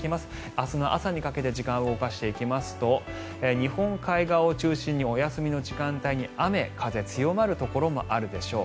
明日の朝にかけて時間を動かしていきますと日本海側を中心にお休みの時間帯に雨風強まるところもあるでしょう。